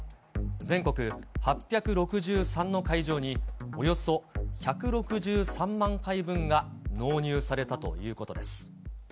全国８６３の会場に、およそ１６３万回分が納入されたということです。